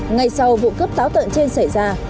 ngày sau vụ cướp táo tợn trên xảy ra